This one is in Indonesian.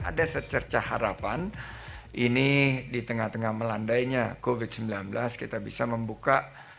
ada secerca harapan ini di tengah tengah melandainya covid sembilan belas kita bisa membuka